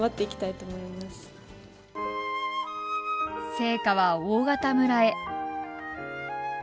聖火は大潟村へ。